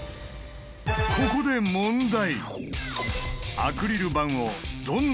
ここで問題。